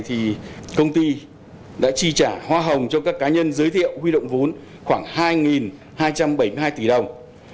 thì công ty đã chi trả hoa hồng cho các cá nhân giới thiệu huy động vốn khoảng hai hai trăm bảy mươi hai tỷ đồng